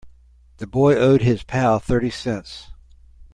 The boy owed his pal thirty cents.